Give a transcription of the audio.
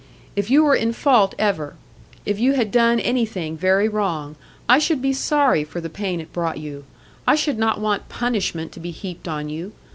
If you were in fault ever, if you had done anything very wrong, I should be sorry for the pain it brought you; I should not want punishment to be heaped on you.